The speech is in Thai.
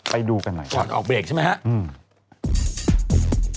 ไปดูกันหน่อยก่อนออกเบรกใช่ไหมครับ